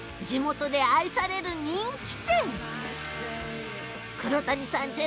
地元で愛される人気店黒谷さん